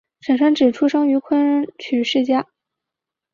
沈传芷出生于昆曲世家。